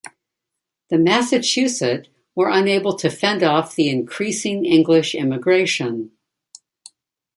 The Massachusett were unable to fend off the increasing English immigration.